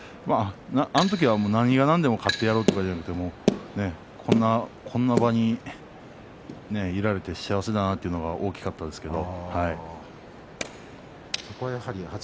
あの時は何が何でも勝ってやろうというのではなくてこの場にいられて幸せだなというのが大きかったですけど。